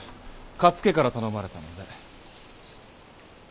勝家から頼まれたので。